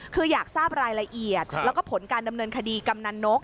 คืออยากทราบรายละเอียดแล้วก็ผลการดำเนินคดีกำนันนก